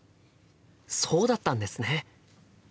そうだったんですね。